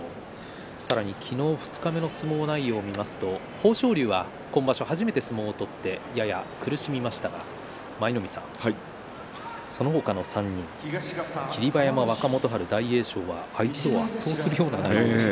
さらに昨日二日目の相撲内容を見ますと豊昇龍は今場所初めて相撲を取ってやや苦しみましたがその他の３人霧馬山、若元春、大栄翔は相手を圧倒するような内容でした。